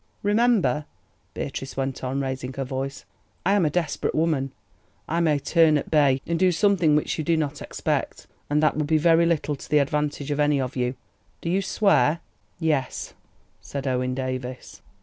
"Remember," Beatrice went on, raising her voice, "I am a desperate woman. I may turn at bay, and do something which you do not expect, and that will be very little to the advantage of any of you. Do you swear?" "Yes," said Owen Davies.